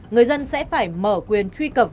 người dân sẽ phải mở quyền truy cập